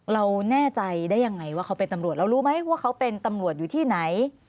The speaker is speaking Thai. เราแน่ใจได้ยังไงว่าเขาเป็นตำรวจเรารู้ไหมว่าเขาเป็นตำรวจอยู่ที่ไหน